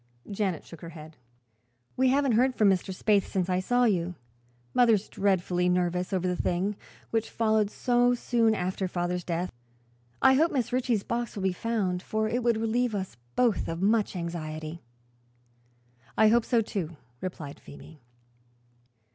Janet shook her head. "We haven't heard from Mr. Spaythe since I saw you. Mother's dreadfully nervous over the thing, which followed so soon after father's death. I hope Mrs. Ritchie's box will be found, for it would relieve us both of much anxiety." "I hope so, too," replied Phoebe.